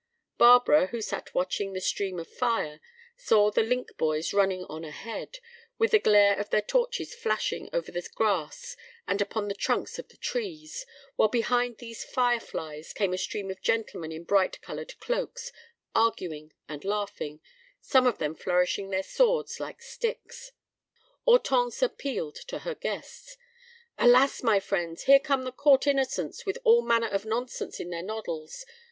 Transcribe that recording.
Barbara, who sat watching the stream of fire, saw the link boys running on ahead, with the glare of their torches flashing over the grass and upon the trunks of the trees, while behind these fire flies came a stream of gentlemen in bright colored cloaks, arguing and laughing, some of them flourishing their swords like sticks. Hortense appealed to her guests. "Alas! my friends, here come the court innocents with all manner of nonsense in their noddles.